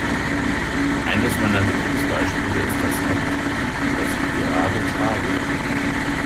Eines meiner Lieblingsbeispiele ist das Hemd, das ich gerade trage.